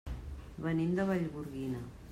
Venim de Vallgorguina.